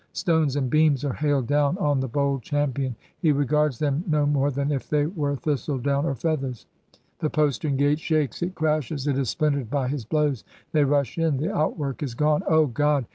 Stones and beams are hailed down on the bold champion — ^he regards them no more than if they were thistle down or feathers 1 ... The postern gate shakes, it crashes, it is splintered by his blows — ^they rush in — ^the outwork is gone — Oh, God!